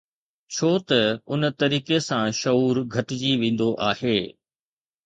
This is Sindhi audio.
ڇو ته ان طريقي سان شعور گهٽجي ويندو آهي